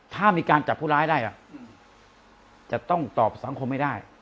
ถ้ามีการจับผู้ร้ายได้จะต้องตอบสังคมให้ได้